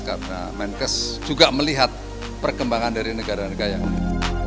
karena menkes juga melihat perkembangan dari negara negara yang lain